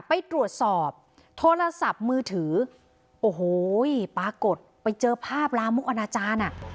ไปตรวจสอบโทรศัพท์มือถือโอ้โหปรากฏไปเจอภาพลามุกอนาจารย์อ่ะ